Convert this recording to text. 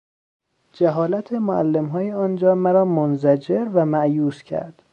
جهالت معلمهای آنجا مرا منزجر و مایوس کرد.